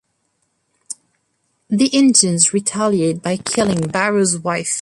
The Indians retaliate by killing Barrows' wife.